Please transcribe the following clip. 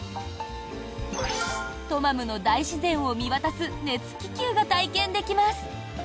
トマムの大自然を見渡す熱気球が体験できます。